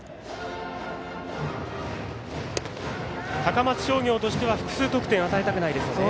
高松商業としては複数得点与えたくないですね。